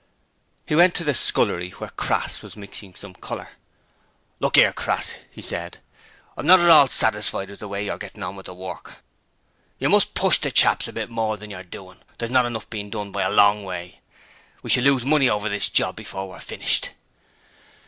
He went into the scullery, where Crass was mixing some colour. 'Look 'ere, Crass!' he said. 'I'm not at all satisfied with the way you're gettin' on with the work. You must push the chaps a bit more than you're doin'. There's not enough being done, by a long way. We shall lose money over this job before we're finished!'